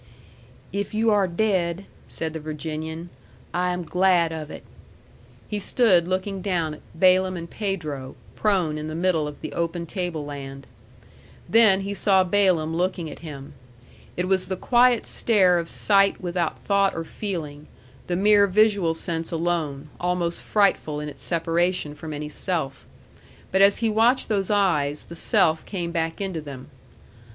"If you are dead," said the Virginian, "I am glad of it." He stood looking down at Balaam and Pedro, prone in the middle of the open tableland. Then he saw Balaam looking at him. It was the quiet stare of sight without thought or feeling, the mere visual sense alone, almost frightful in its separation from any self. But as he watched those eyes, the self came back into them.